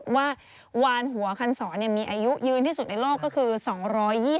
ว่าหวานหัวคันศรเนี่ยมีอายุยืนที่สุดในรนด์ก็คือ๒๒๑ปี